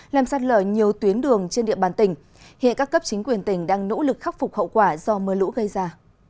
làm sát lở nhiều tuyến đường trên địa bàn tỉnh hiện các cấp chính quyền tỉnh đang nỗ lực khắc phục hậu quả do mưa lũ gây ra